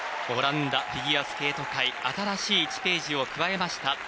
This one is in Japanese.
オランダフィギュアスケート界新しい１ページを加えました。